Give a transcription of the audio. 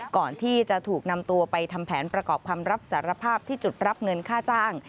ก่อนที่จะถูกนำตัวไปทำแผนประกอบคำรับสารภาพที่จุดรับเงินค่าจ้าง